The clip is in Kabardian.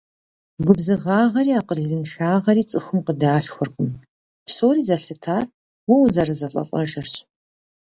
Губзыгъагъри акъылыншагъри цӀыхум къыдалъхуркъым, псори зэлъытар уэ узэрызэлӀэлӀэжырщ.